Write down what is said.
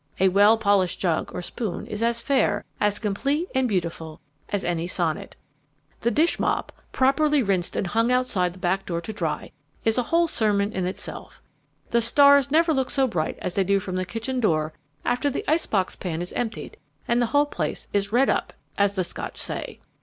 A well polished jug or spoon is as fair, as complete and beautiful, as any sonnet. The dish mop, properly rinsed and wrung and hung outside the back door to dry, is a whole sermon in itself. The stars never look so bright as they do from the kitchen door after the ice box pan is emptied and the whole place is 'redd up,' as the Scotch say."